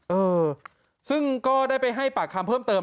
เออซึ่งก็ได้ไปให้ปากคำเพิ่มเติม